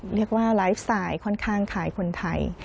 เรียกว่าไลฟ์สไตล์ค่อนข้างขายคนไทย